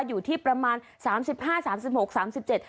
อยู่ที่ประมาณสามสิบห้าสามสิบหกสามสิบเจ็ด